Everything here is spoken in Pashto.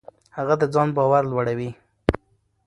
هغه د ځان باور لوړوي.